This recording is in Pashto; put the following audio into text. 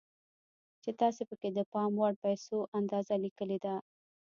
چې تاسې پکې د پام وړ پيسو اندازه ليکلې ده.